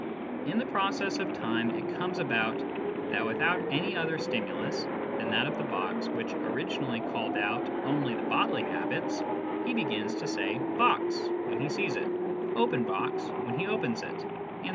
In the process of time it comes about that without any other stimulus than that of the box which originally called out only the bodily habits, he begins to say ' box ' when he sees it, ' open box ' when he opens it, etc.